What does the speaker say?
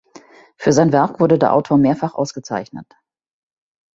Für sein Werk wurde der Autor mehrfach ausgezeichnet.